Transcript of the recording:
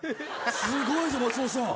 すごいぞ松本さん。